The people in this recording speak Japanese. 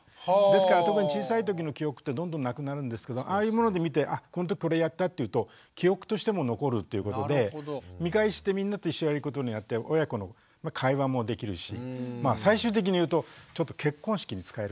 ですから特に小さい時の記憶ってどんどんなくなるんですけどああいうもので見てあこの時これやったっていうと記憶としても残るということで見返してみんなと一緒にやることによって親子の会話もできるしあいやそうですよね。